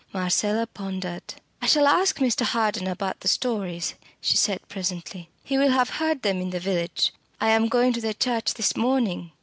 Marcella pondered. "I shall ask Mr. Harden about the stories," she said presently. "He will have heard them in the village. I am going to the church this morning."